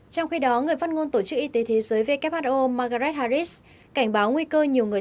trong khi đó người phát ngôn tổ chức y tế thế giới who margaret harris cảnh báo nguy cơ nhiều người